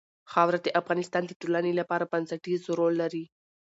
خاوره د افغانستان د ټولنې لپاره بنسټيز رول لري.